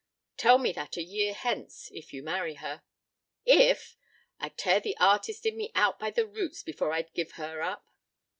Tell me that a year hence if you marry her." "If? I'd tear the artist in me out by the roots before I'd give her up."